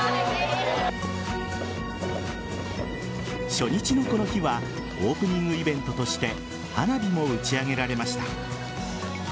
初日のこの日はオープニングイベントとして花火も打ち上げられました。